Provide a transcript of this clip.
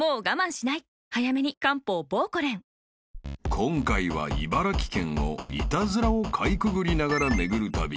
［今回は茨城県をイタズラをかいくぐりながら巡る旅］